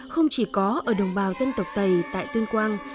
không chỉ có ở đồng bào dân tộc tây tại tuyên quang